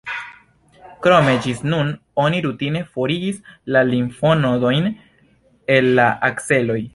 Krome ĝis nun oni rutine forigis la limfonodojn el la akseloj.